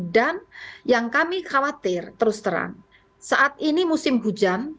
dan yang kami khawatir terus terang saat ini musim hujan